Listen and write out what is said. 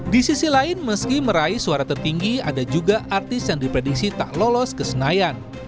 di sisi lain meski meraih suara tertinggi ada juga artis yang diprediksi tak lolos ke senayan